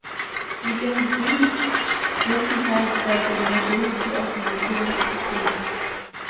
It has been ratified by the majority of European states.